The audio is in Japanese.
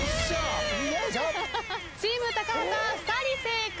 チーム高畑２人正解。